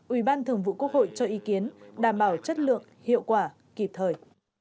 ủy ban thường vụ quốc hội cho ý kiến đảm bảo chất lượng hiệu quả kịp thời